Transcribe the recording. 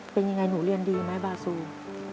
เป็นยังไงหนูเรียนดีไหมบาซู